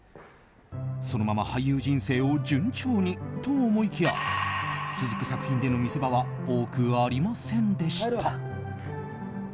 そのまま俳優人生を順調にと思いきや続く作品での見せ場は多くありませんでした。